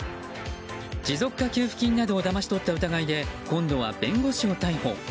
持続化給付金などをだまし取った疑いで今度は弁護士を逮捕。